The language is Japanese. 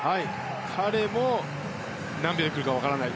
彼も何秒でくるか分からない。